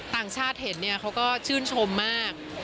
ต่างชาติเห็นเนี่ยเขาก็ชื่นชมมาก